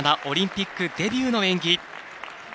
オリンピックデビューの演技。